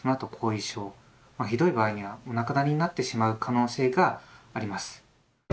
ひどい場合にはお亡くなりになってしまう可能性があります。